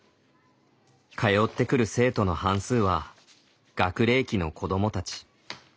通ってくる生徒の半数は学齢期の子どもたち。